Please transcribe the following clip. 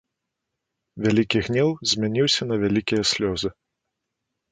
Вялікі гнеў змяніўся на вялікія слёзы.